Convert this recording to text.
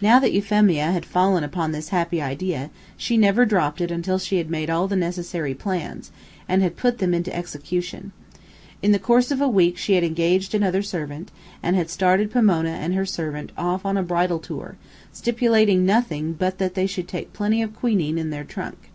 Now that Euphemia had fallen upon this happy idea, she never dropped it until she had made all the necessary plans, and had put them into execution. In the course of a week she had engaged another servant, and had started Pomona and her husband off on a bridal tour, stipulating nothing but that they should take plenty of quinine in their trunk.